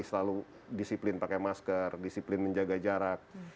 selalu disiplin pakai masker disiplin menjaga jarak